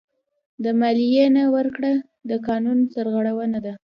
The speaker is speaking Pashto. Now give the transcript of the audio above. د مالیې نه ورکړه د قانون سرغړونه ده.